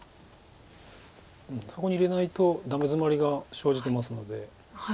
そこに入れないとダメヅマリが生じてますので。